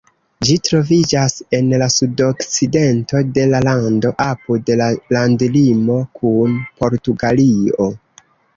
Ĝi troviĝas en la sudokcidento de la lando, apud la landlimo kun Portugalio.